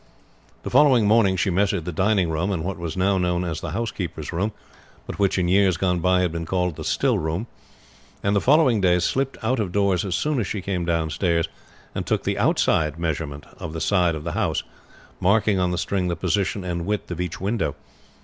The following morning she measured the dining room, and what was now known as the housekeeper's room, but which in years gone by had been called the still room; and the following day slipped out of doors as soon as she came downstairs and took the outside measurement of the side of the house, marking on the string the position and width of each window.